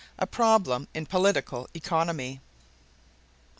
A Problem in Political Economy.